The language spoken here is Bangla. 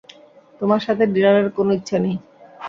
তোমার সাথে ডিনারের কোনো ইচ্ছা নেই।